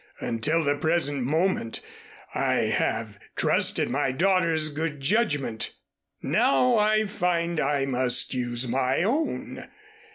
Until the present moment I have trusted my daughter's good judgment. Now I find I must use my own.